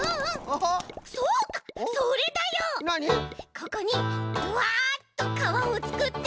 ここにグワッとかわをつくって。